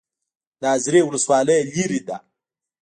د ازرې ولسوالۍ لیرې ده